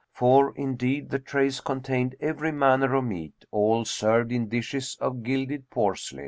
For indeed the trays contained every manner of meat all served in dishes of gilded porcelain.